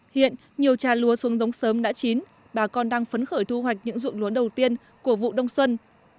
hiện nhiều trà lúa xuống giống sớm đã chín bà con đang phấn khởi thu hoạch những ruộng lúa đầu tiên của vụ đông xuân